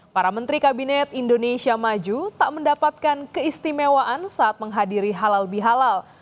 para menteri kabinet indonesia maju tak mendapatkan keistimewaan saat menghadiri halal bihalal